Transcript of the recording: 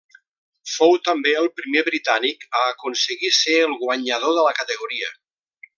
Fou també el primer britànic a aconseguir ser el guanyador de la categoria.